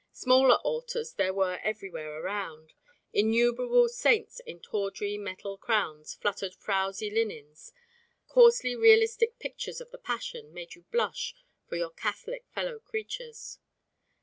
Smaller altars there were everywhere around: innumerable saints in tawdry metal crowns fluttered frowsy linens; coarsely realistic pictures of the Passion made you blush for your Catholic fellow creatures.